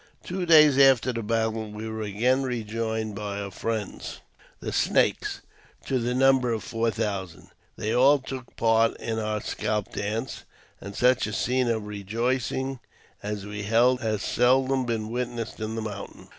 Two days after the battle we were again rejoined by our friends, the Snakes, to the number of four thousand. They all took part in our scalp dance, and such a scene of rejoicing as we held has seldom been witnessed in the mountains.